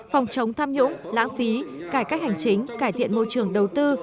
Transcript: phòng chống tham nhũng lãng phí cải cách hành chính cải thiện môi trường đầu tư